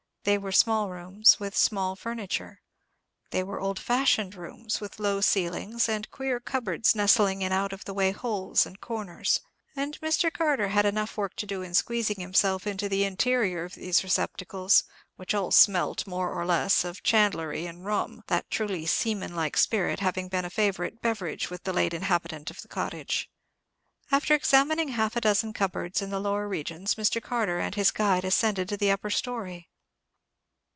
They were small rooms, with small furniture. They were old fashioned rooms, with low ceilings, and queer cupboards nestling in out of the way holes and corners: and Mr. Carter had enough work to do in squeezing himself into the interior of these receptacles, which all smelt, more or less, of chandlery and rum,—that truly seaman like spirit having been a favourite beverage with the late inhabitant of the cottage. After examining half a dozen cupboards in the lower regions, Mr. Carter and his guide ascended to the upper story.